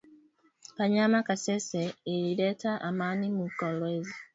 Kanyama kasese ilileta amani mu kolwezi